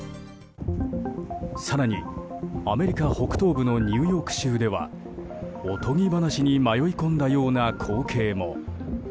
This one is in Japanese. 更に、アメリカ北東部のニューヨーク州ではおとぎ話に迷い込んだような光景も。